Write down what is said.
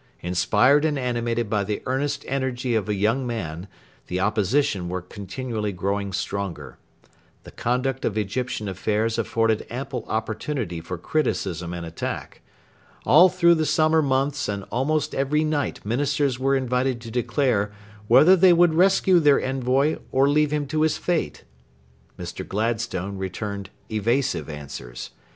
Inspired and animated by the earnest energy of a young man, the Opposition were continually growing stronger. The conduct of Egyptian affairs afforded ample opportunity for criticism and attack. All through the summer months and almost every night Ministers were invited to declare whether they would rescue their envoy or leave him to his fate. Mr. Gladstone returned evasive answers.